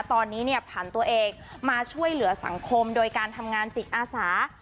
ตอนนี้เนี่ยผ่านตัวเองมาช่วยเหลือสังคมโดยการทำงานจิตอาสา